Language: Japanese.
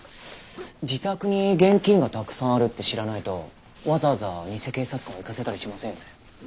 自宅に現金がたくさんあるって知らないとわざわざ偽警察官を行かせたりしませんよね。